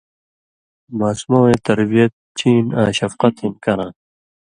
ماسمہ وَیں تربیت چین آں شفقت ہِنکراں